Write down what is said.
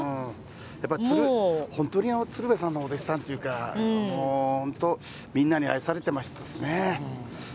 やっぱ本当に鶴瓶さんのお弟子さんというか、本当みんなに愛されてましたですね。